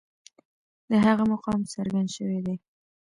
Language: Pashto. د هغه مقام څرګند شوی دی.